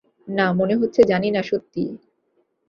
না, মনে হচ্ছে জানিনা, সত্যিই।